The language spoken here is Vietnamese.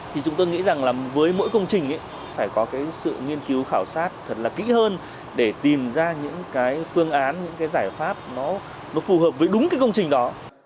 thì chúng tôi nghĩ rằng là với mỗi công trình phải có cái sự nghiên cứu khảo sát thật là kỹ hơn để tìm ra những cái phương án những cái giải pháp nó phù hợp với đúng cái công trình đó